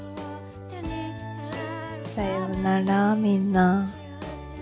さようならみんな。